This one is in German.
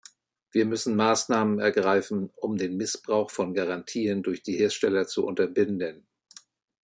Wir müssen Maßnahmen ergreifen, um den Missbrauch von Garantien durch die Hersteller zu unterbinden.